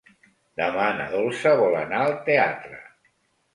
Demà na Dolça vol anar al teatre.